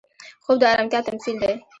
خوب د ارامتیا تمثیل دی